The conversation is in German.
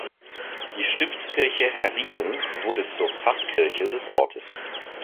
Die Stiftskirche Herrieden wurde zur Pfarrkirche des Ortes.